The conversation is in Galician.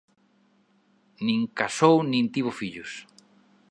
Nin casou nin tivo fillos.